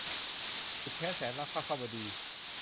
สุดแค้นแสนรัก - ภควดี